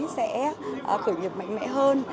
sẽ khởi nghiệp mạnh mẽ hơn